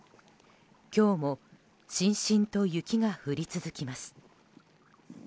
今日もしんしんと雪が降り続きます。